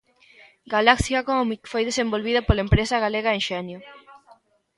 Galaxia Cómic foi desenvolvida pola empresa galega Enxenio.